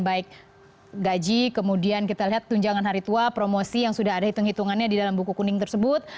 baik gaji kemudian kita lihat tunjangan hari tua promosi yang sudah ada hitung hitungannya di dalam buku kuning tersebut